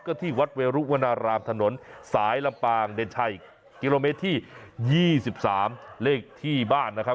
ก็ที่วัดเวรุวนารามถนนสายลำปางเดนชัยกิโลเมตรที่๒๓เลขที่บ้านนะครับ